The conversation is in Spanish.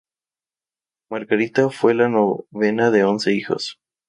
Margarita fue la novena de once hijos.